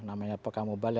namanya pekamu bali